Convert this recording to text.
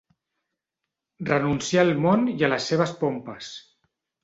Renunciar al món i a les seves pompes.